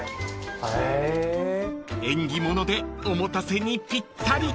［縁起物でおもたせにぴったり］